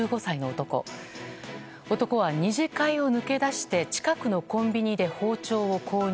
男は２次会を抜け出して近くのコンビニで包丁を購入。